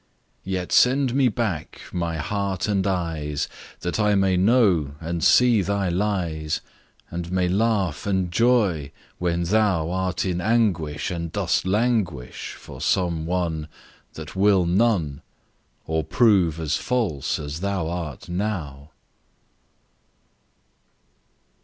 Yet send me back my heart and eyes, That I may know, and see thy lies, And may laugh and joy, when thou Art in anguish And dost languish For some one That will none, Or prove as false as thou art now.